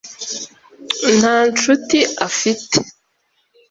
nta nshuti afite